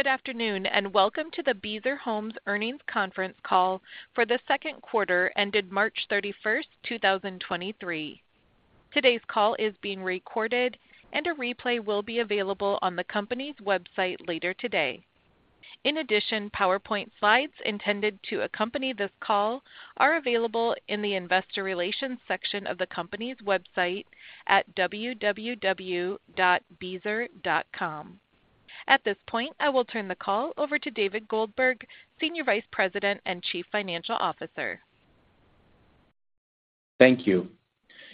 Good afternoon, and welcome to the Beazer Homes Earnings Conference Call for the Q2 ended March 31st, 2023. Today's call is being recorded, and a replay will be available on the company's website later today. In addition, PowerPoint slides intended to accompany this call are available in the Investor Relations section of the company's website at www.beazer.com. At this point, I will turn the call over to David Goldberg, Senior Vice President and Chief Financial Officer. Thank you.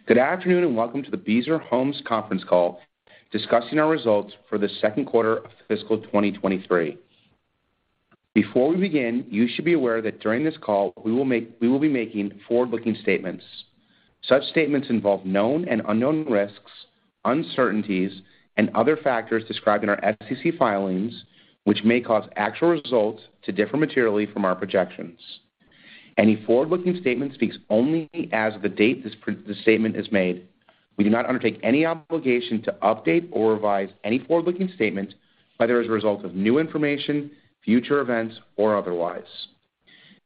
Welcome to the Beazer Homes conference call discussing our results for the Q2 of fiscal 2023. Before we begin, you should be aware that during this call we will be making forward-looking statements. Such statements involve known and unknown risks, uncertainties, and other factors described in our SEC filings, which may cause actual results to differ materially from our projections. Any forward-looking statement speaks only as of the date this statement is made. We do not undertake any obligation to update or revise any forward-looking statement, whether as a result of new information, future events, or otherwise.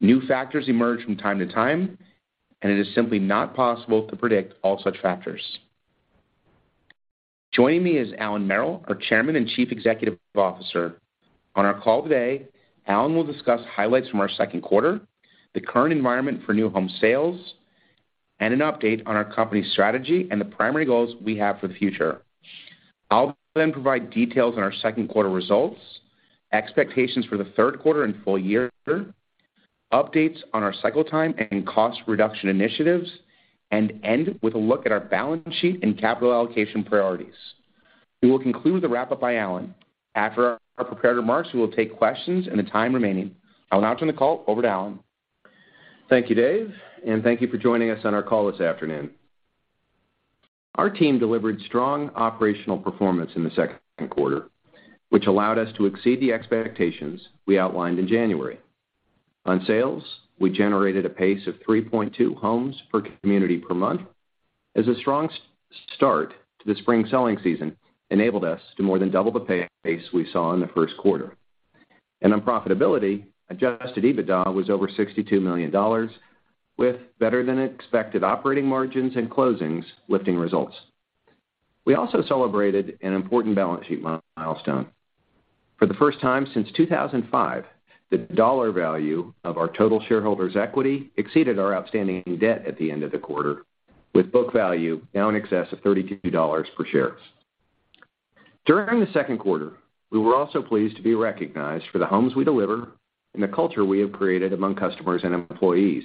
New factors emerge from time to time. It is simply not possible to predict all such factors. Joining me is Allan Merrill, our Chairman and Chief Executive Officer. On our call today, Allan will discuss highlights from our Q2, the current environment for new home sales, and an update on our company strategy and the primary goals we have for the future. I'll provide details on our Q2 results, expectations for the Q3 and full year, updates on our cycle time and cost reduction initiatives, and end with a look at our balance sheet and capital allocation priorities. We will conclude with a wrap-up by Allan. After our prepared remarks, we will take questions in the time remaining. I'll now turn the call over to Allan. Thank you, David, thank you for joining us on our call this afternoon. Our team delivered strong operational performance in the Q2, which allowed us to exceed the expectations we outlined in January. On sales, we generated a pace of 3.2 homes per community per month as a strong start to the spring selling season enabled us to more than double the pace we saw in the Q1. On profitability, adjusted EBITDA was over $62 million, with better than expected operating margins and closings lifting results. We also celebrated an important balance sheet milestone. For the first time since 2005, the dollar value of our total shareholders' equity exceeded our outstanding debt at the end of the quarter, with book value now in excess of $32 per share. During the Q2, we were also pleased to be recognized for the homes we deliver and the culture we have created among customers and employees.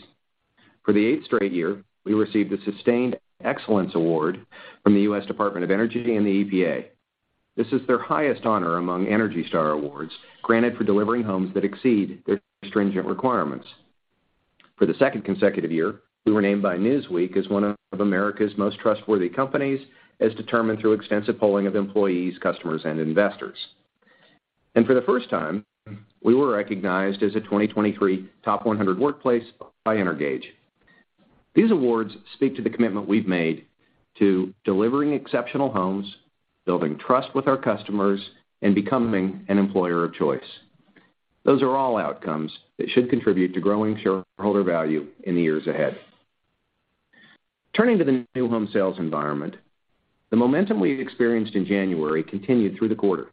For the eighth straight year, we received the Sustained Excellence Award from the U.S. Department of Energy and the EPA. This is their highest honor among ENERGY STAR awards granted for delivering homes that exceed their stringent requirements. For the second consecutive year, we were named by Newsweek as one of America's most trustworthy companies, as determined through extensive polling of employees, customers, and investors. For the first time, we were recognized as a 2023 Top Workplaces USA by Energage. These awards speak to the commitment we've made to delivering exceptional homes, building trust with our customers, and becoming an employer of choice. Those are all outcomes that should contribute to growing shareholder value in the years ahead. Turning to the new home sales environment, the momentum we experienced in January continued through the quarter.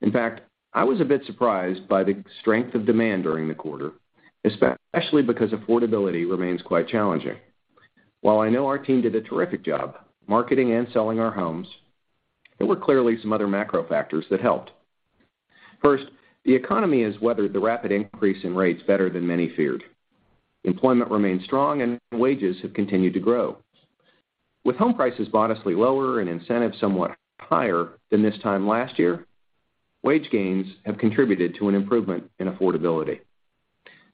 In fact, I was a bit surprised by the strength of demand during the quarter, especially because affordability remains quite challenging. While I know our team did a terrific job marketing and selling our homes, there were clearly some other macro factors that helped. First, the economy has weathered the rapid increase in rates better than many feared. Employment remains strong, and wages have continued to grow. With home prices modestly lower and incentives somewhat higher than this time last year, wage gains have contributed to an improvement in affordability.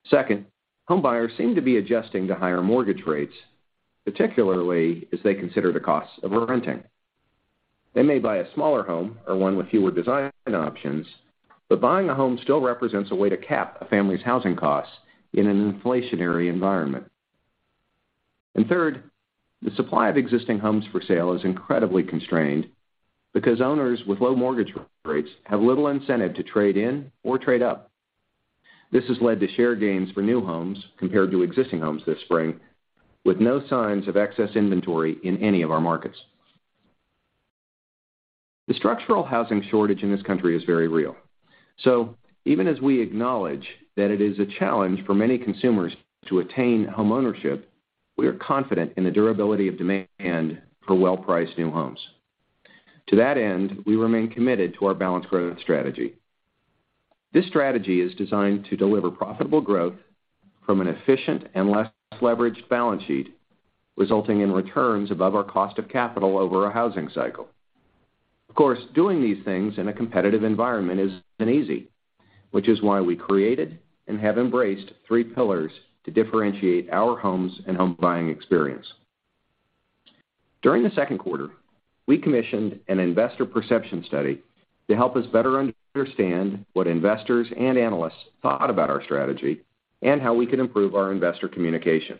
Second, homebuyers seem to be adjusting to higher mortgage rates, particularly as they consider the cost of renting. They may buy a smaller home or one with fewer design options, but buying a home still represents a way to cap a family's housing costs in an inflationary environment. Third, the supply of existing homes for sale is incredibly constrained because owners with low mortgage rates have little incentive to trade in or trade up. This has led to share gains for new homes compared to existing homes this spring, with no signs of excess inventory in any of our markets. The structural housing shortage in this country is very real. Even as we acknowledge that it is a challenge for many consumers to attain homeownership, we are confident in the durability of demand for well-priced new homes. To that end, we remain committed to our balanced growth strategy. This strategy is designed to deliver profitable growth from an efficient and less leveraged balance sheet, resulting in returns above our cost of capital over a housing cycle. Of course, doing these things in a competitive environment isn't easy, which is why we created and have embraced three pillars to differentiate our homes and home buying experience. During the Q2, we commissioned an investor perception study to help us better understand what investors and analysts thought about our strategy and how we could improve our investor communication.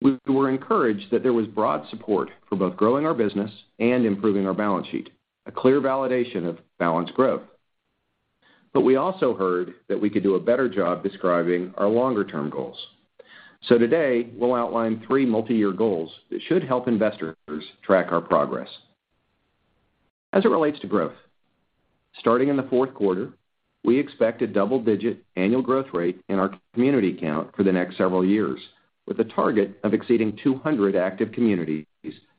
We were encouraged that there was broad support for both growing our business and improving our balance sheet, a clear validation of balanced growth. We also heard that we could do a better job describing our longer-term goals. Today we'll outline three multi-year goals that should help investors track our progress. As it relates to growth, starting in the Q4, we expect a double-digit annual growth rate in our community count for the next several years, with a target of exceeding 200 active communities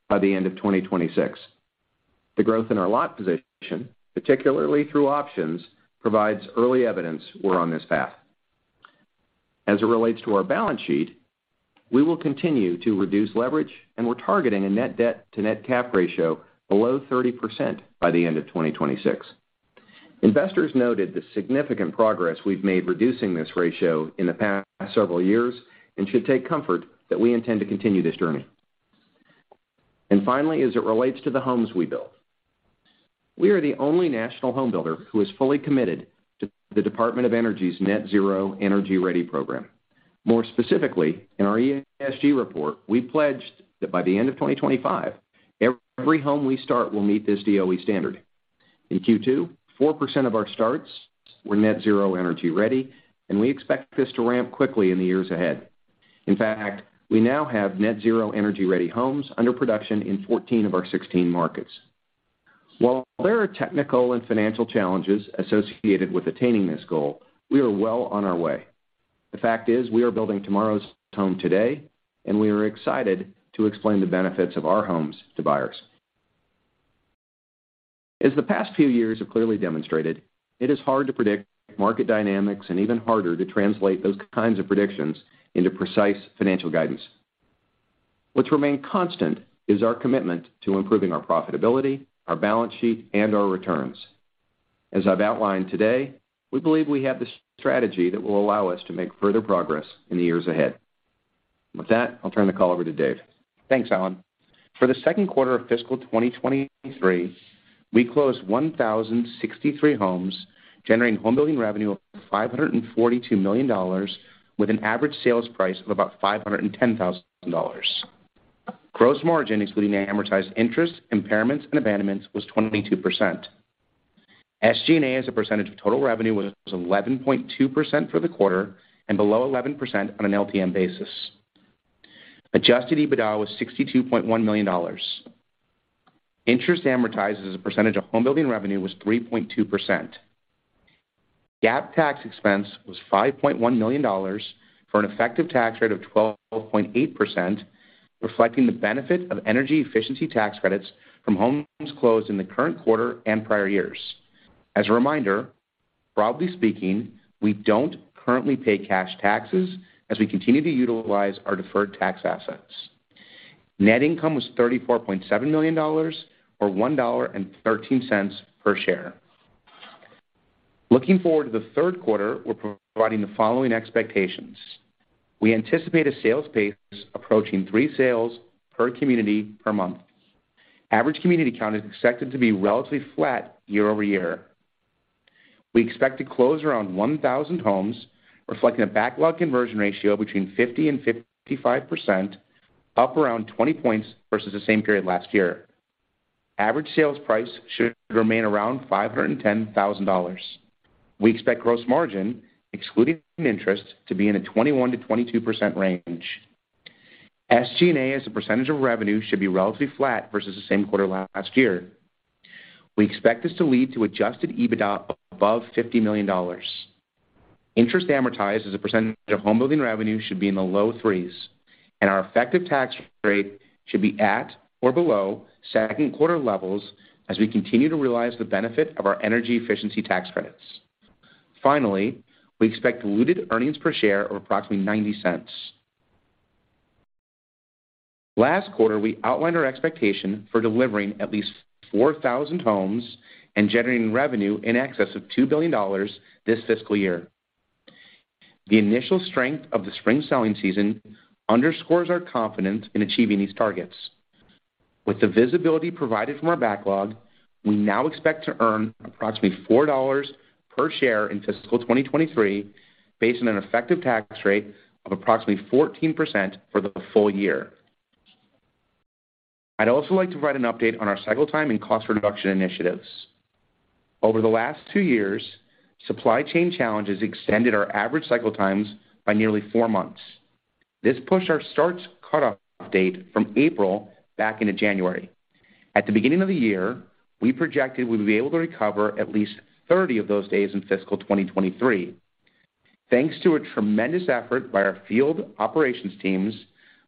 by the end of 2026. The growth in our lot position, particularly through options, provides early evidence we're on this path. As it relates to our balance sheet, we will continue to reduce leverage, and we're targeting a net debt to net cap ratio below 30% by the end of 2026. Investors noted the significant progress we've made reducing this ratio in the past several years and should take comfort that we intend to continue this journey. Finally, as it relates to the homes we build, we are the only national homebuilder who is fully committed to the Department of Energy's Zero Energy Ready Home program. More specifically, in our ESG report, we pledged that by the end of 2025, every home we start will meet this DOE standard. In Q2, 4% of our starts were NetZero Energy Ready, and we expect this to ramp quickly in the years ahead. In fact, we now have NetZero Energy Ready homes under production in 14 of our 16 markets. While there are technical and financial challenges associated with attaining this goal, we are well on our way. The fact is, we are building tomorrow's home today, and we are excited to explain the benefits of our homes to buyers. As the past few years have clearly demonstrated, it is hard to predict market dynamics and even harder to translate those kinds of predictions into precise financial guidance. What's remained constant is our commitment to improving our profitability, our balance sheet, and our returns. As I've outlined today, we believe we have the strategy that will allow us to make further progress in the years ahead. With that, I'll turn the call over to David. Thanks, Allan. For the Q2 of fiscal 2023, we closed 1,063 homes, generating Home-Building Revenue of $542 million with an Average Sales Price of about $510,000. Gross margin, excluding amortized interest, impairments, and abandonments, was 22%. SG&A as a percentage of total revenue was 11.2% for the quarter and below 11% on an LTM basis. Adjusted EBITDA was $62.1 million. Interest amortized as a percentage of home building revenue was 3.2%. GAAP tax expense was $5.1 million for an Effective Tax Rate of 12.8%, reflecting the benefit of energy efficiency tax credits from homes closed in the current quarter and prior years. As a reminder, broadly speaking, we don't currently pay cash taxes as we continue to utilize our deferred tax assets. Net income was $34.7 million or $1.13 per share. Looking forward to the Q3, we're providing the following expectations. We anticipate a sales pace approaching three sales per community per month. Average community count is expected to be relatively flat year-over-year. We expect to close around 1,000 homes, reflecting a backlog conversion ratio between 50%-55%, up around 20 points versus the same period last year. Average Sales Price should remain around $510,000. We expect gross margin, excluding interest, to be in a 21%-22% range. SG&A, as a % of revenue, should be relatively flat versus the same quarter last year. We expect this to lead to adjusted EBITDA above $50 million. Interest amortized as a percentage of home building revenue should be in the low threes, and our Effective Tax Rate should be at or below Q2 levels as we continue to realize the benefit of our energy efficiency tax credits. Finally, we expect diluted earnings per share of approximately $0.90. Last quarter, we outlined our expectation for delivering at least 4,000 homes and generating revenue in excess of $2 billion this fiscal year. The initial strength of the spring selling season underscores our confidence in achieving these targets. With the visibility provided from our backlog, we now expect to earn approximately $4 per share in fiscal 2023, based on an Effective Tax Rate of approximately 14% for the full year. I'd also like to provide an update on our cycle time and cost reduction initiatives. Over the last two years, supply chain challenges extended our average cycle times by nearly four months. This pushed our starts cutoff date from April back into January. At the beginning of the year, we projected we would be able to recover at least 30 of those days in fiscal 2023. Thanks to a tremendous effort by our field operations teams,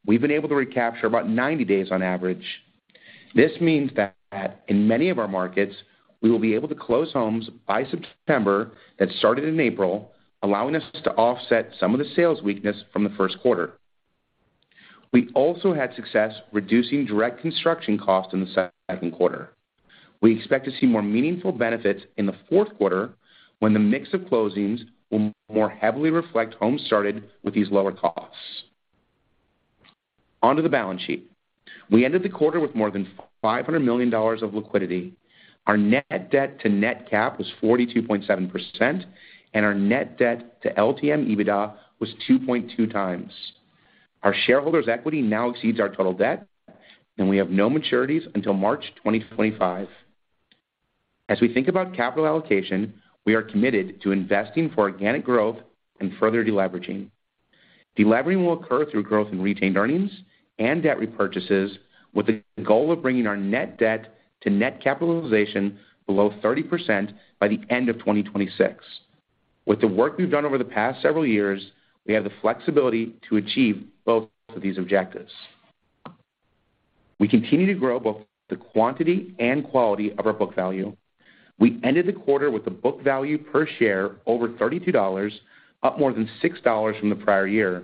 we've been able to recapture about 90 days on average. This means that in many of our markets, we will be able to close homes by September that started in April, allowing us to offset some of the sales weakness from the Q1. We also had success reducing direct construction costs in the Q2. We expect to see more meaningful benefits in the Q4, when the mix of closings will more heavily reflect homes started with these lower costs. On to the balance sheet. We ended the quarter with more than $500 million of liquidity. Our net debt to net cap was 42.7%, and our net debt to LTM EBITDA was 2.2 times. Our shareholders' equity now exceeds our total debt, and we have no maturities until March 2025. As we think about capital allocation, we are committed to investing for organic growth and further deleveraging. Delevering will occur through growth in retained earnings and debt repurchases, with the goal of bringing our net debt to net capitalization below 30% by the end of 2026. With the work we've done over the past several years, we have the flexibility to achieve both of these objectives. We continue to grow both the quantity and quality of our book value. We ended the quarter with a book value per share over $32, up more than $6 from the prior year.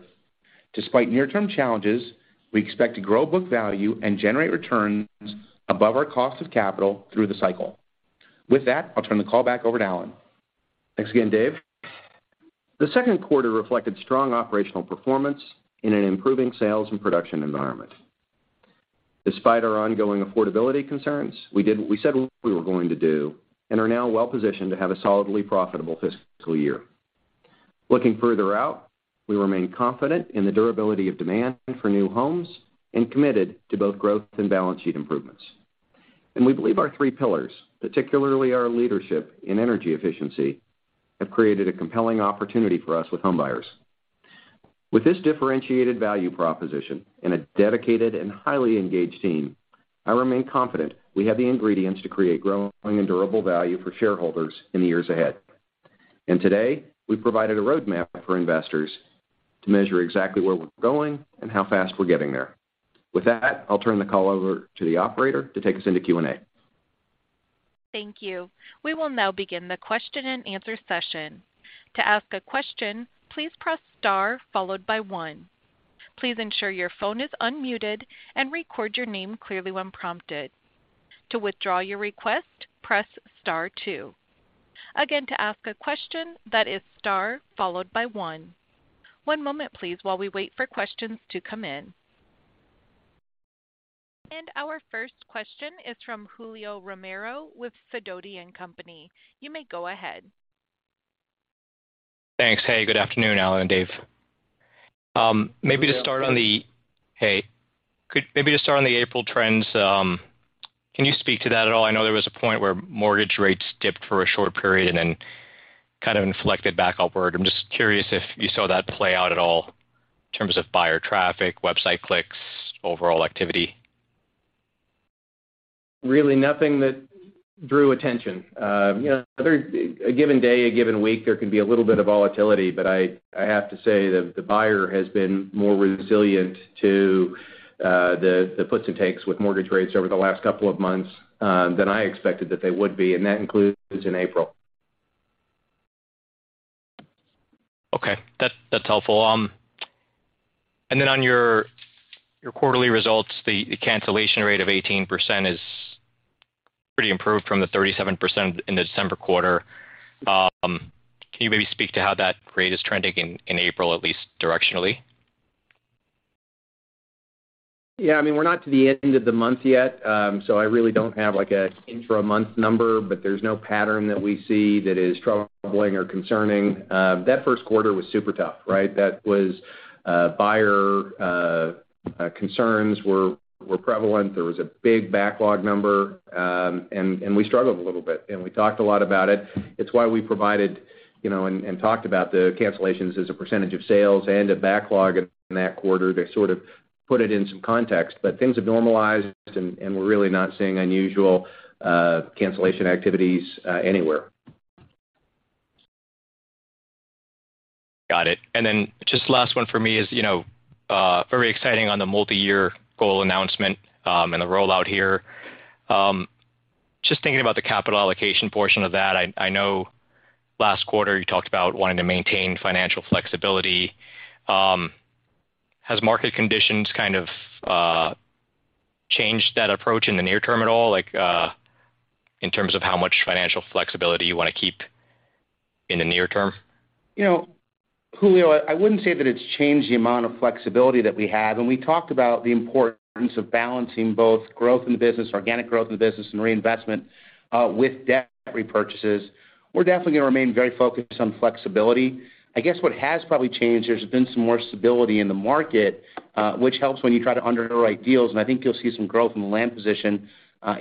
Despite near-term challenges, we expect to grow book value and generate returns above our cost of capital through the cycle. With that, I'll turn the call back over to Allan. Thanks again, David. The Q2 reflected strong operational performance in an improving sales and production environment. Despite our ongoing affordability concerns, we did what we said we were going to do and are now well-positioned to have a solidly profitable fiscal year. Looking further out, we remain confident in the durability of demand for new homes and committed to both growth and balance sheet improvements. We believe our three pillars, particularly our leadership in energy efficiency, have created a compelling opportunity for us with homebuyers. With this differentiated value proposition and a dedicated and highly engaged team, I remain confident we have the ingredients to create growing and durable value for shareholders in the years ahead. Today, we provided a roadmap for investors to measure exactly where we're going and how fast we're getting there. With that, I'll turn the call over to the operator to take us into Q&A. Thank you. We will now begin the question-and-answer session. To ask a question, please press star followed by one. Please ensure your phone is unmuted and record your name clearly when prompted. To withdraw your request, press star two. Again, to ask a question, that is star followed by one. One moment, please, while we wait for questions to come in. Our first question is from Julio Romero with Sidoti and Company. You may go ahead. Thanks. Hey, good afternoon, Allan and David. Maybe to start. Hey. Hey. Could maybe just start on the April trends? Can you speak to that at all? I know there was a point where mortgage rates dipped for a short period and then kind of inflected back upward. I'm just curious if you saw that play out at all in terms of buyer traffic, website clicks, overall activity. Really nothing that drew attention. You know, a given day, a given week, there can be a little bit of volatility, but I have to say that the buyer has been more resilient to, the puts and takes with mortgage rates over the last couple of months, than I expected that they would be. That includes in April. Okay. That's helpful. On your quarterly results, the cancellation rate of 18% is pretty improved from the 37% in the December quarter. Can you maybe speak to how that rate is trending in April, at least directionally? Yeah, I mean, we're not to the end of the month yet, so I really don't have, like, an intra-month number, but there's no pattern that we see that is troubling or concerning. That Q1 was super tough, right? That was buyer concerns were prevalent. There was a big backlog number, and we struggled a little bit, and we talked a lot about it. It's why we provided, you know, and talked about the cancellations as a % of sales and a backlog in that quarter to sort of put it in some context. Things have normalized and we're really not seeing unusual cancellation activities anywhere. Got it. Just last one for me is, you know, very exciting on the multiyear goal announcement, and the rollout here. Just thinking about the capital allocation portion of that, I know last quarter you talked about wanting to maintain financial flexibility. Has market conditions kind of changed that approach in the near term at all, like, in terms of how much financial flexibility you wanna keep in the near term? You know, Julio, I wouldn't say that it's changed the amount of flexibility that we have, and we talked about the importance of balancing both growth in the business, organic growth in the business, and reinvestment with debt repurchases. We're definitely gonna remain very focused on flexibility. I guess what has probably changed, there's been some more stability in the market, which helps when you try to underwrite deals, and I think you'll see some growth in the land position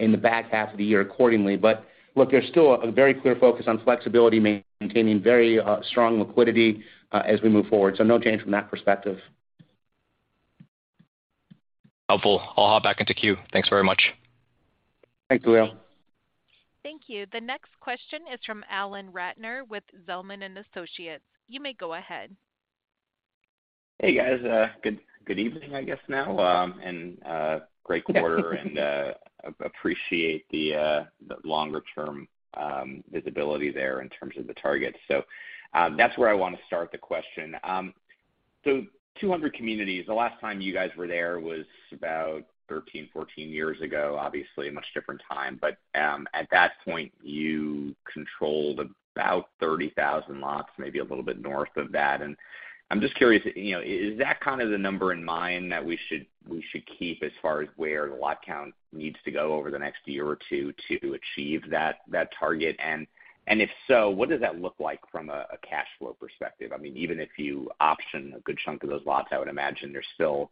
in the back half of the year accordingly. Look, there's still a very clear focus on flexibility, maintaining very strong liquidity as we move forward. No change from that perspective. Helpful. I'll hop back into queue. Thanks very much. Thanks, Julio. Thank you. The next question is from Alan Ratner with Zelman & Associates. You may go ahead. Hey, guys. Good evening, I guess now, and great quarter and appreciate the longer-term visibility there in terms of the targets. That's where I wanna start the question. 200 communities, the last time you guys were there was about 13, 14 years ago, obviously a much different time. At that point, you controlled about 30,000 lots, maybe a little bit north of that. I'm just curious, you know, is that kind of the number in mind that we should keep as far as where the lot count needs to go over the next year or two to achieve that target? If so, what does that look like from a cash flow perspective? I mean, even if you option a good chunk of those lots, I would imagine there's still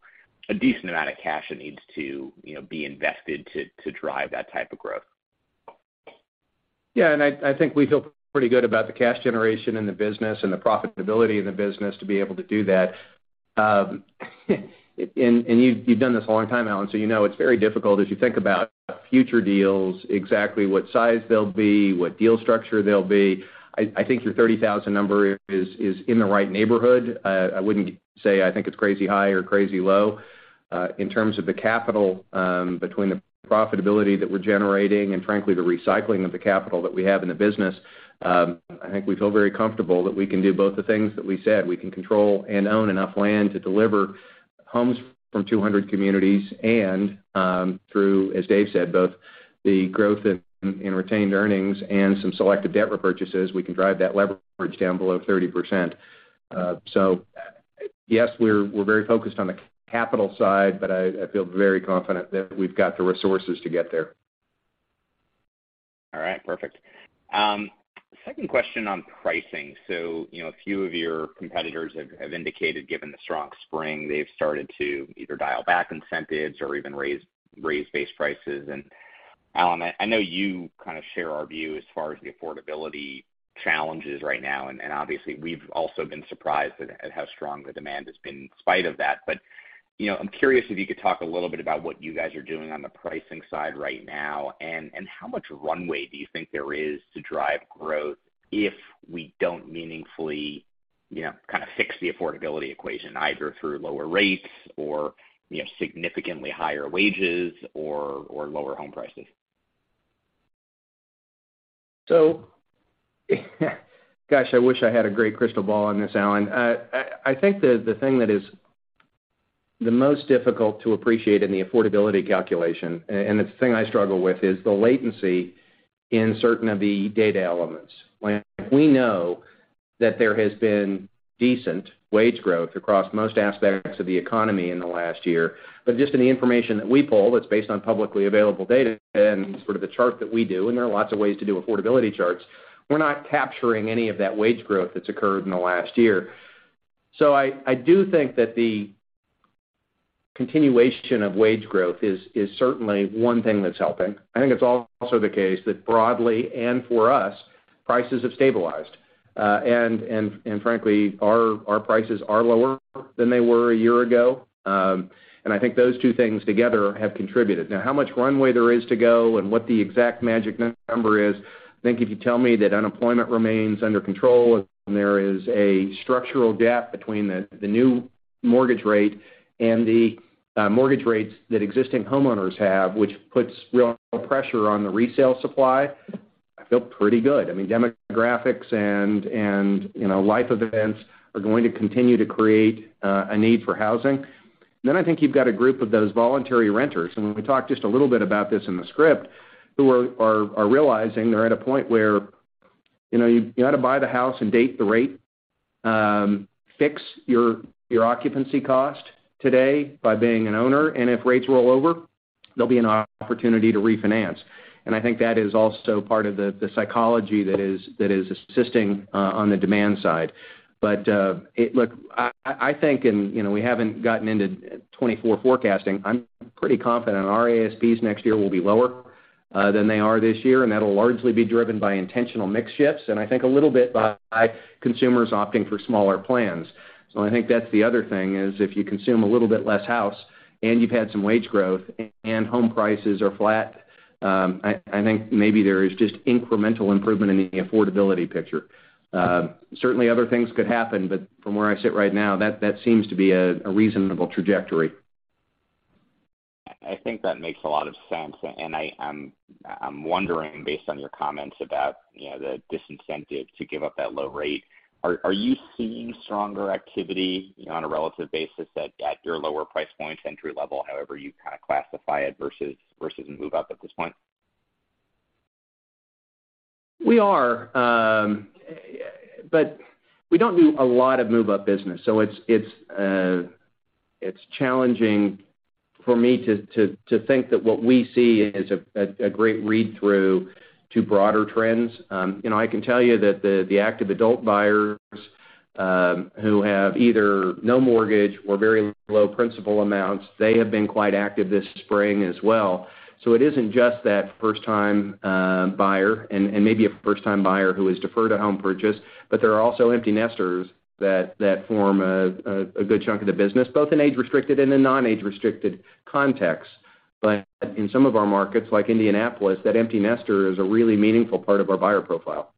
a decent amount of cash that needs to, you know, be invested to drive that type of growth. I think we feel pretty good about the cash generation in the business and the profitability of the business to be able to do that. You've done this a long time, Alan, so you know it's very difficult as you think about future deals, exactly what size they'll be, what deal structure they'll be. I think your 30,000 number is in the right neighborhood. I wouldn't say I think it's crazy high or crazy low. In terms of the capital, between the profitability that we're generating and frankly, the recycling of the capital that we have in the business, I think we feel very comfortable that we can do both the things that we said. We can control and own enough land to deliver homes from 200 communities, and through, as David said, both the growth in retained earnings and some selected debt repurchases, we can drive that leverage down below 30%. Yes, we're very focused on the capital side, but I feel very confident that we've got the resources to get there. All right, perfect. Second question on pricing. you know, a few of your competitors have indicated, given the strong spring, they've started to either dial back incentives or even raise base prices. Allan, I know you kind of share our view as far as the affordability challenges right now, and obviously we've also been surprised at how strong the demand has been in spite of that. you know, I'm curious if you could talk a little bit about what you guys are doing on the pricing side right now, and how much runway do you think there is to drive growth if we don't meaningfully, you know, kind of fix the affordability equation, either through lower rates or, you know, significantly higher wages or lower home prices. Gosh, I wish I had a great crystal ball on this, Alan. I think the thing that is the most difficult to appreciate in the affordability calculation, and it's the thing I struggle with, is the latency in certain of the data elements. We know that there has been decent wage growth across most aspects of the economy in the last year. Just in the information that we pull that's based on publicly available data and sort of the chart that we do, and there are lots of ways to do affordability charts, we're not capturing any of that wage growth that's occurred in the last year. I do think that the continuation of wage growth is certainly one thing that's helping. I think it's also the case that broadly, and for us, prices have stabilized. Frankly, our prices are lower than they were a year ago. I think those two things together have contributed. Now, how much runway there is to go and what the exact magic number is, I think if you tell me that unemployment remains under control and there is a structural gap between the new mortgage rate and the mortgage rates that existing homeowners have, which puts real pressure on the resale supply, I feel pretty good. I mean, demographics and, you know, life events are going to continue to create a need for housing. I think you've got a group of those voluntary renters, and we talked just a little bit about this in the script, who are realizing they're at a point where, you know, you ought to buy the house and date the rate, fix your occupancy cost today by being an owner, and if rates roll over, there'll be an opportunity to refinance. I think that is also part of the psychology that is assisting on the demand side. Look, I think, and, you know, we haven't gotten into 2024 forecasting, I'm pretty confident our ASPs next year will be lower than they are this year, and that'll largely be driven by intentional mix shifts and I think a little bit by consumers opting for smaller plans. I think that's the other thing is if you consume a little bit less house and you've had some wage growth and home prices are flat, I think maybe there is just incremental improvement in the affordability picture. Certainly other things could happen, but from where I sit right now, that seems to be a reasonable trajectory. I think that makes a lot of sense. I'm wondering, based on your comments about, you know, the disincentive to give up that low rate, are you seeing stronger activity, you know, on a relative basis at your lower price point, entry level, however you kind of classify it, versus a move up at this point? We are. We don't do a lot of move-up business, so it's challenging for me to think that what we see is a great read-through to broader trends. You know, I can tell you that the active adult buyers, who have either no mortgage or very low principal amounts, they have been quite active this spring as well. It isn't just that first-time buyer and maybe a first-time buyer who has deferred a home purchase, but there are also empty nesters that form a good chunk of the business, both in age-restricted and in non-age-restricted contexts. In some of our markets, like Indianapolis, that empty nester is a really meaningful part of our buyer profile.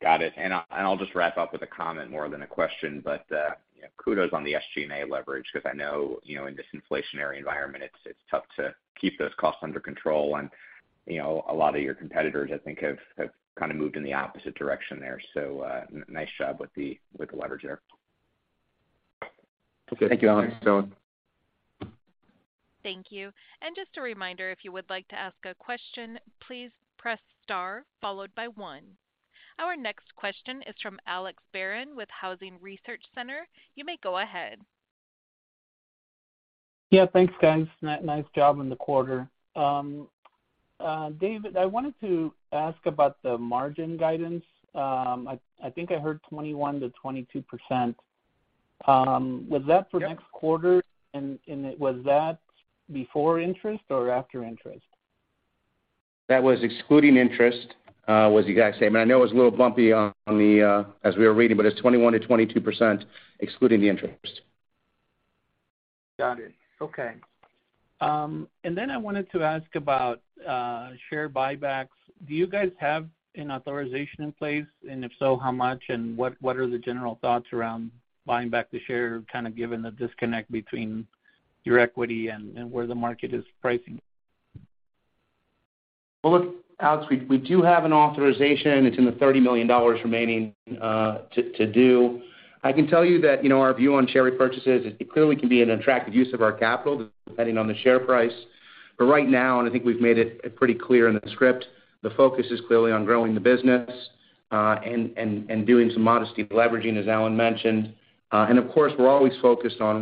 Got it. I'll just wrap up with a comment more than a question. Kudos on the SG&A leverage because I know, you know, in this inflationary environment, it's tough to keep those costs under control. You know, a lot of your competitors, I think have kind of moved in the opposite direction there. Nice job with the leverage there. Thank you, Alan. Thanks, Allan. Thank you. Just a reminder, if you would like to ask a question, please press star followed by one. Our next question is from Alex Barron with Housing Research Center. You may go ahead. Yeah, thanks, guys. Nice job in the quarter. David, I wanted to ask about the margin guidance. I think I heard 21%-22%. Was that for next quarter? Yep. Was that before interest or after interest? That was excluding interest, was you guys saying? I know it was a little bumpy on the, as we were reading, but it's 21%-22%, excluding the interest. Got it. Okay. Then I wanted to ask about share buybacks. Do you guys have an authorization in place? If so, how much, and what are the general thoughts around buying back the share, kind of given the disconnect between your equity and where the market is pricing? Well, look, Alex, we do have an authorization. It's in the $30 million remaining to do. I can tell you that, you know, our view on share repurchases is it clearly can be an attractive use of our capital, depending on the share price. Right now, and I think we've made it pretty clear in the script, the focus is clearly on growing the business and doing some modesty leveraging, as Allan mentioned. And of course, we're always focused on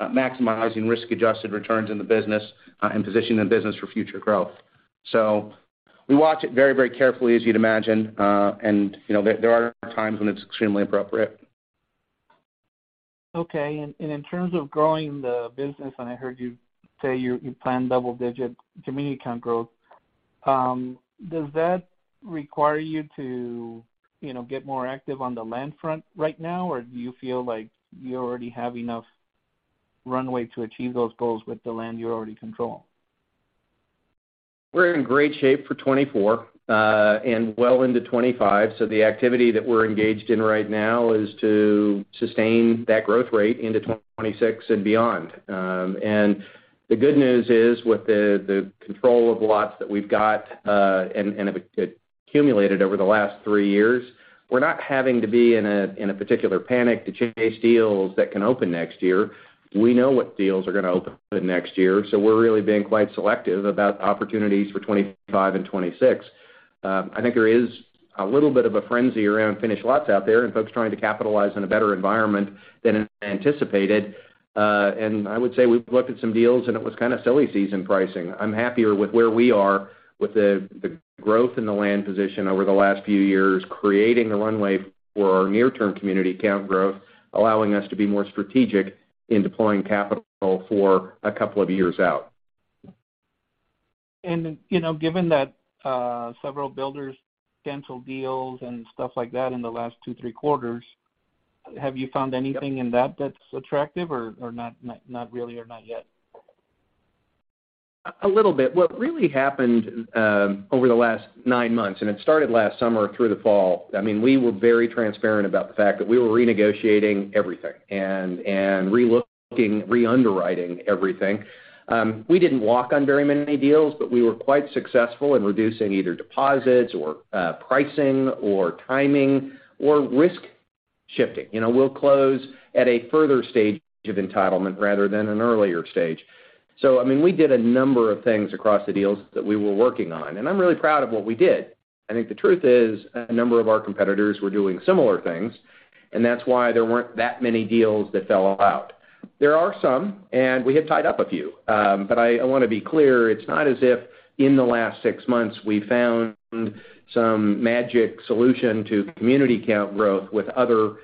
maximizing risk-adjusted returns in the business and positioning the business for future growth. We watch it very, very carefully, as you'd imagine. You know, there are times when it's extremely appropriate. Okay. In terms of growing the business, and I heard you say you plan double-digit community count growth, does that require you to, you know, get more active on the land front right now? Or do you feel like you already have enough runway to achieve those goals with the land you already control? We're in great shape for 2024 and well into 2025. The activity that we're engaged in right now is to sustain that growth rate into 2026 and beyond. The good news is, with the control of lots that we've got and have accumulated over the last three years, we're not having to be in a particular panic to chase deals that can open next year. We know what deals are gonna open next year, so we're really being quite selective about opportunities for 2025 and 2026. I think there is a little bit of a frenzy around finished lots out there and folks trying to capitalize on a better environment than anticipated. I would say we've looked at some deals, and it was kinda silly season pricing. I'm happier with where we are with the growth in the land position over the last few years, creating the runway for our near-term community count growth, allowing us to be more strategic in deploying capital for a couple of years out. you know, given that, several builders canceled deals and stuff like that in the last two, three quarters, have you found anything in that that's attractive or not really or not yet? A little bit. What really happened over the last nine months, and it started last summer through the fall, I mean, we were very transparent about the fact that we were renegotiating everything and relooking, re-underwriting everything. We didn't walk on very many deals, but we were quite successful in reducing either deposits or pricing or timing or risk shifting. You know, we'll close at a further stage of entitlement rather than an earlier stage. I mean, we did a number of things across the deals that we were working on, and I'm really proud of what we did. I think the truth is, a number of our competitors were doing similar things, and that's why there weren't that many deals that fell out. There are some, and we have tied up a few. I wanna be clear, it's not as if in the last six months we found some magic solution to community count growth with other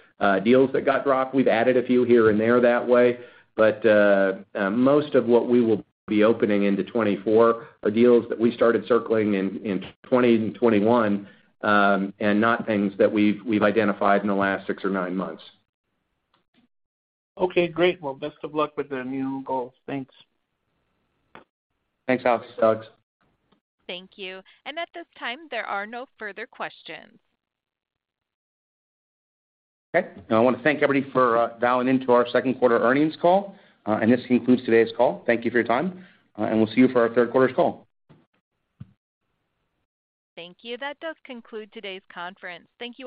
deals that got dropped. We've added a few here and there that way. Most of what we will be opening into 2024 are deals that we started circling in 20 and 2021, and not things that we've identified in the last six or nine months. Okay, great. Well, best of luck with the new goals. Thanks. Thanks, Alex. Thank you. At this time, there are no further questions. Okay. I wanna thank everybody for dialing into our Q2 earnings call. This concludes today's call. Thank you for your time, and we'll see you for our Q3 call. Thank you. That does conclude today's conference. Thank you all for.